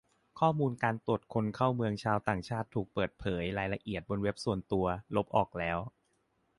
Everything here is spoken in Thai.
ข้อมูลการตรวจคนเข้าเมืองชาวต่างชาติถูกเปิดเผยรายละเอียดบนเว็บส่วนตัว ลบออกแล้ว